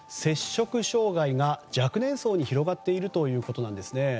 摂食障害が若年層に広がっているということなんですね。